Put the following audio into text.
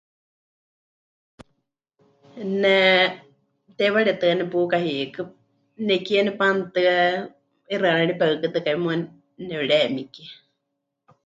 Ne teiwaritɨ́a nepuka hiikɨ, nekie nepanutɨa, 'ixɨarari pehɨkɨtɨkai, muuwa nepɨremikie.